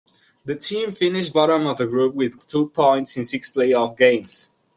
The team finished bottom of the group with two points in six playoff games.